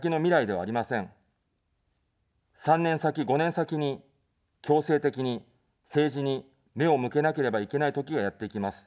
３年先、５年先に、強制的に政治に目を向けなければいけないときがやってきます。